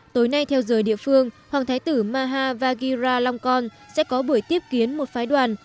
tối nay theo giới địa phương hoàng thái tử maha vajiralongkon sẽ có buổi tiếp kiến một phái đoàn